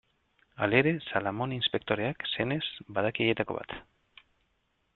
Halere, Salamone inspektoreak, senez, badaki haietako bat.